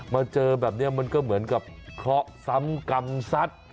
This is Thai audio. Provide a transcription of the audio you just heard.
มาเจอแบบนี้มันก็เหมือนกับเคราะห์ซ้ำกรรมสัตว์